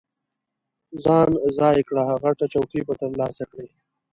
ځان ځای کړه، غټه چوکۍ به ترلاسه کړې.